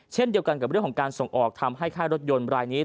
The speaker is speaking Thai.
เช่นเดียวกันกับเรื่องของการส่งออกทำให้ค่ายรถยนต์รายนี้